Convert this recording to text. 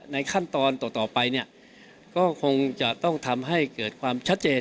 ขั้นตอนต่อไปเนี่ยก็คงจะต้องทำให้เกิดความชัดเจน